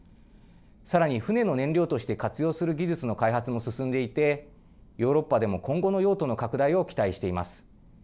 さらに、船の燃料として活用する技術の開発も進んでいてヨーロッパでも今後の用途の拡大を期待しています。